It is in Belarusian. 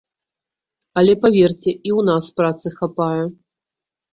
Але паверце, і ў нас працы хапае.